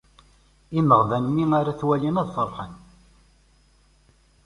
Imeɣban mi ara t-walin ad ferḥen.